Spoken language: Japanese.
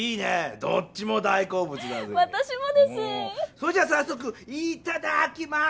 それじゃさっそくいただきます！